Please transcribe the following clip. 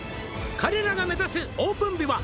「彼らが目指すオープン日は」